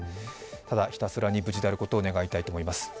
ただ、ひたすらに無事であることを願いたいと思います。